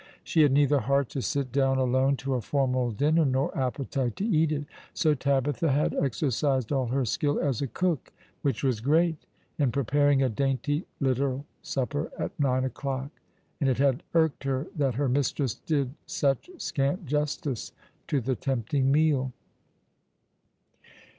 She had neither heart to sit down alone to a formal dinner nor appetite to eat it ; so Tabitha bad exercised all her skill as a cook, which was great, in preparing a dainty little supper at nine o'clock ; and it had irked her that her mistress did such scant justice to the tempting meal.